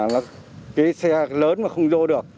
cái xe lớn mà không vô được